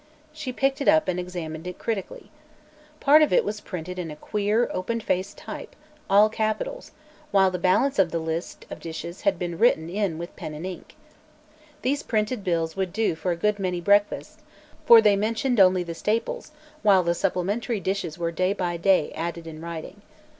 She picked it up and examined it critically. Part of it was printed in a queer, open faced type all capitals while the balance of the list of dishes had been written in with pen and ink. These printed bills would do for a good many breakfasts, for they mentioned only the staples, while the supplementary dishes were day by day added in writing.